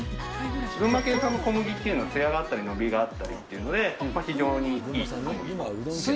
群馬県産の小麦っていうのは、つやがあったり、伸びがあったりというので、非常にいい小麦だと。